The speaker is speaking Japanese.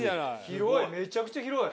広いめちゃくちゃ広い。